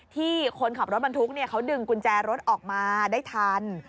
ที่คนขับรถบรรทุกเขาดึงกุญแจรถออกมาได้ทัน